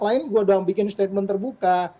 lain gue doang bikin statement terbuka